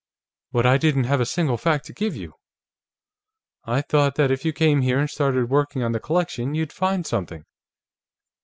But I didn't have a single fact to give you. I thought that if you came here and started working on the collection, you'd find something."